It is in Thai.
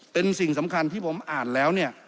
เป็นสิ่งสำคัญที่ผมอ่านแล้วเนี่ย